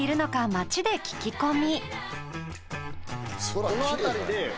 町で聞き込み。